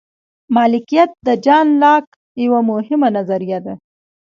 مالکیت د جان لاک یوه مهمه نظریه ده.